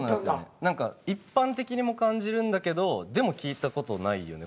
何か一般的にも感じるんだけどでも聞いた事ないよね